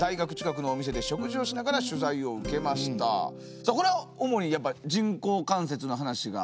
さあこれは主にやっぱり人工関節の話が？